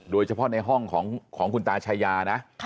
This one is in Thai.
โดยเฉพาะในห้องของคุณตาชายานะ